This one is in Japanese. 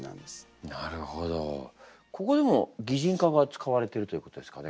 ここでも擬人化が使われてるということですかね？